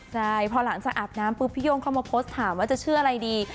ใช่พอหลังจากอาบน้ำปุ๊บพี่โย่งเข้ามาโพสต์ถามว่าจะเชื่ออะไรดี